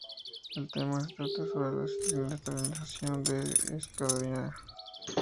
El tema trata sobre la cristianización de Escandinavia.